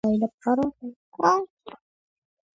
ხშირად ჭამს მცენარეებსაც.